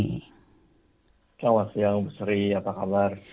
selamat siang bapak seri apa kabar